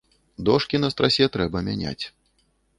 Дошкі на страсе трэба мяняць.